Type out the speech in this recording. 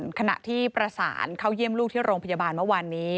ขณะที่ประสานเข้าเยี่ยมลูกที่โรงพยาบาลเมื่อวานนี้